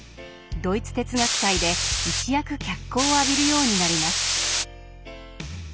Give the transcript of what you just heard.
ドイツ哲学界で一躍脚光を浴びるようになります。